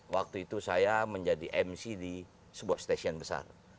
waktu itu saya menjadi mc di sebuah stasiun besar